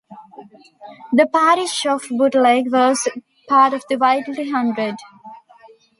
The parish of Butleigh was part of the Whitley Hundred.